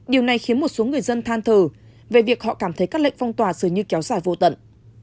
điều này khiến một số người dân than thở về việc họ cảm thấy các lệnh phong tỏa dường như kéo dài vô tận